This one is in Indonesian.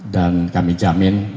dan kami jamin uang bapaknya